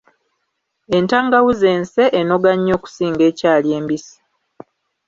Entangawuzi ense enoga nnyo okusinga ekyali embisi.